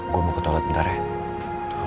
gue mau ke toilet bentar ya